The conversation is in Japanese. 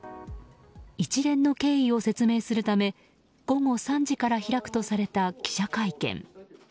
一連の経緯を説明するため午後３時から開くとされた記者会見。